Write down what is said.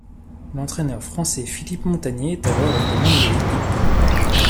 L'entraîneur français Philippe Montanier est alors aux commandes de l'équipe.